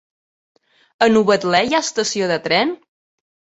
A Novetlè hi ha estació de tren?